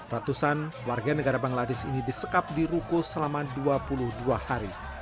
ratusan warga negara bangladesh ini disekap di ruko selama dua puluh dua hari